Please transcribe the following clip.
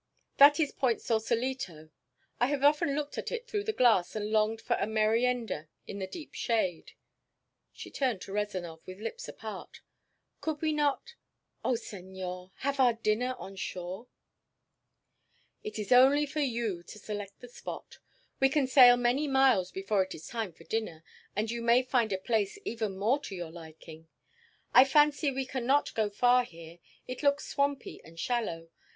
"That is Point Sausalito. I have often looked at it through the glass and longed for a merienda in the deep shade." She turned to Rezanov with lips apart. "Could we not oh, senor! have our dinner on shore?" "It is only for you to select the spot. We can sail many miles before it is time for dinner, and you may find a place even more to your liking. I fancy we can not go far here. It looks swampy and shallow.